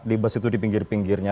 di bus itu di pinggir pinggirnya